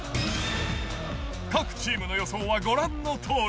各チームの予想はご覧のとおり。